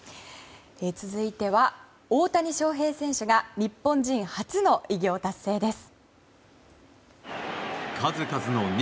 続いては大谷翔平選手が日本人初の偉業達成です。